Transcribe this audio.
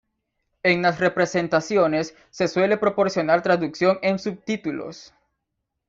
En las representaciones, se suele proporcionar traducción en subtítulos.